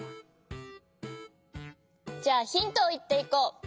じゃあヒントをいっていこう。